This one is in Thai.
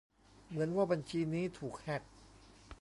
"เหมือนว่าบัญชีนี้ถูกแฮ็ก"